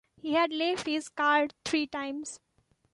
He had left his card three times.